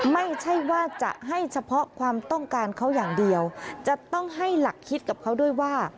ไม่ใช่ว่าจะให้เฉพาะความต้องการเขาอย่างเดียวจะต้องให้หลักคิดกับเขาด้วยว่า